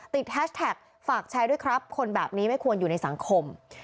แฮชแท็กฝากแชร์ด้วยครับคนแบบนี้ไม่ควรอยู่ในสังคม